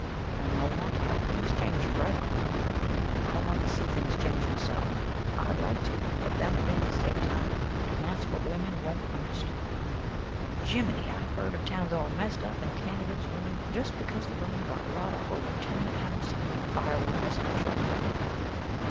An' they'll want to have things changed right off. I want to see things changed m'self. I'd like to, but them things take time, an' that's what women won't understand. "Jimminee, I've heard of towns all messed up and candidates ruined just because the women got wrought up over tenement house an' fire laws an' truck like that.